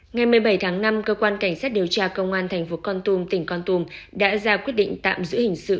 ngày một mươi bảy tháng năm cơ quan cảnh sát điều tra công an tp con tum tỉnh con tum đã ra quyết định tạm giữ hình sự